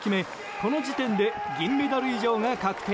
この時点で銀メダル以上が確定。